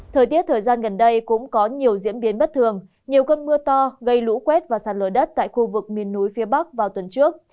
thời tiết thời gian gần đây cũng có nhiều diễn biến bất thường nhiều cơn mưa to gây lũ quét và sạt lở đất tại khu vực miền núi phía bắc vào tuần trước